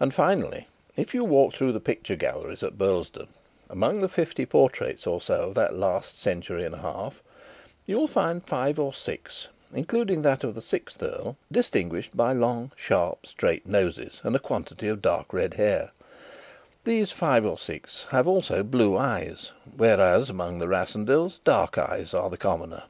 And, finally, if you walk through the picture galleries at Burlesdon, among the fifty portraits or so of the last century and a half, you will find five or six, including that of the sixth earl, distinguished by long, sharp, straight noses and a quantity of dark red hair; these five or six have also blue eyes, whereas among the Rassendylls dark eyes are the commoner.